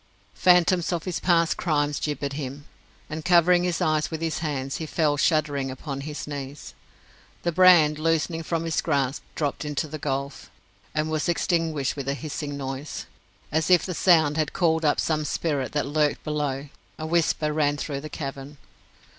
Phantoms of his past crimes gibbered at him, and covering his eyes with his hands, he fell shuddering upon his knees. The brand, loosening from his grasp, dropped into the gulf, and was extinguished with a hissing noise. As if the sound had called up some spirit that lurked below, a whisper ran through the cavern.